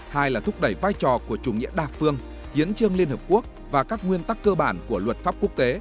hai là thúc đẩy vai trò của chủ nghĩa đa phương hiến trương liên hợp quốc và các nguyên tắc cơ bản của luật pháp quốc tế